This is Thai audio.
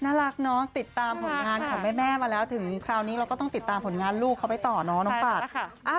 น่ารักเนาะติดตามผลงานของแม่มาแล้วถึงคราวนี้เราก็ต้องติดตามผลงานลูกเขาไปต่อเนาะน้องปาก